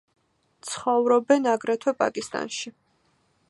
ცხოვრობენ აგრეთვე პაკისტანში.